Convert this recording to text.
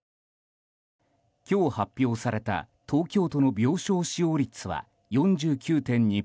今日発表された、東京都の病床使用率は４９．２％。